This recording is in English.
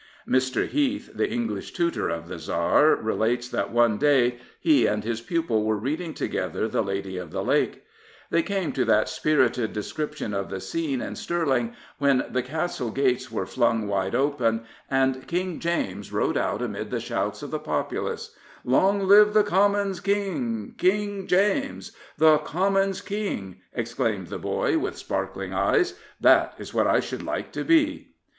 Mr. Heath, the English tutor of the Tsar, relates that one day he and his pupil were reading together The Lady of the Lake* They came to that spirited description of the scene in Stirling when the castle »59 Prophets, Priests, and Kings gates were flung wide open and King James rode out amid the shouts of the populace, " Long live the Commons' King, King James!" ''The Commons' King," exclaimed the boy, with sparkling eyes, '' that is what I should like to be.